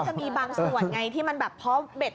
มันก็จะมีบางส่วนไงที่มันแบบพอเบ็ด